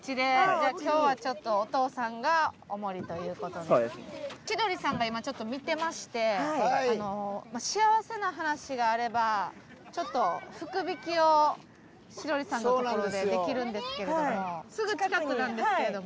じゃあ今日はちょっと千鳥さんが今ちょっと見てまして幸せな話があればちょっと福引きを千鳥さんの所でできるんですけれどもすぐ近くなんですけれども。